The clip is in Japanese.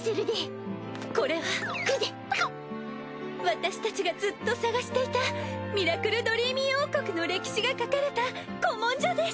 私たちがずっと捜していたミラクルドリーミー王国の歴史が書かれた古文書です。